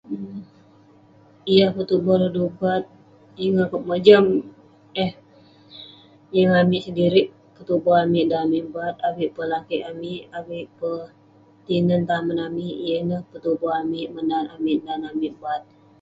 Yah petuboh rodu baat, yeng akouk mojam eh. Yeng amik sedirik petuboh amik dan amik baat. Avik peh lakeik amik, avik peh tinen tamen amik. Ineh petuboh amik, menat amik, dan amik baat.